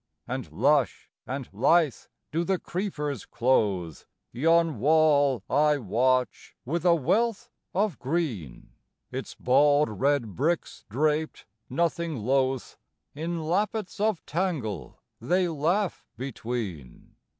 And lush and lithe do the creepers clothe Yon wall I watch, with a wealth of green: Its bald red bricks draped, nothing loath, In lappets of tangle they laugh between.